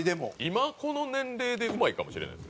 今この年齢でうまいかもしれない。